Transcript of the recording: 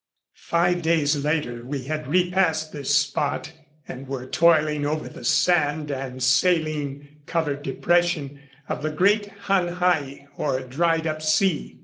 145 Five days later we had repassed this spot and were toiling over the sand and saline covered depression of the great "Han Hai," or Dried up Sea.